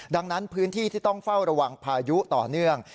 ดังนั้นพื้นที่ที่ต้องเฝ้าระวังพายุต่อเนื่อง